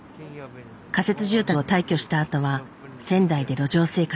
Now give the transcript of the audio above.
仮設住宅を退去したあとは仙台で路上生活。